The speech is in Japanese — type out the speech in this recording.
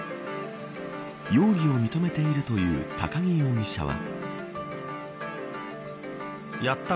容疑を認めているという都木容疑者は。